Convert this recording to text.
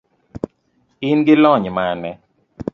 in gi lony mane?